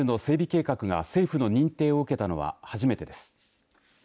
計画が政府の認定を受けたのは初めてです。